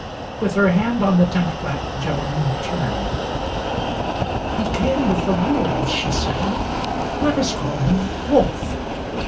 With her hand on the tent flap, Joan, turned. "He came with the wolves," she said. "Let us call him Wolf."